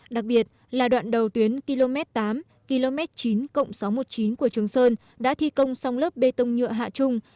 đặc biệt là đoạn đầu tuyến km tám km chín sáu trăm một mươi chín của trường sơn đã thi công xong lớp bê tông nhựa hạ trung